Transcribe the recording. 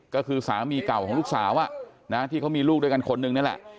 ก็คือสามีเก่าของลูกสาวที่เขามีลูกด้วยกันคนนึงนี่แหละ